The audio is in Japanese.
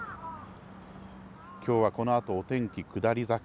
きょうはこのあとお天気下り坂。